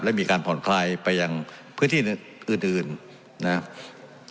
และมีการผ่อนคลายไปยังพื้นที่อื่นนะครับ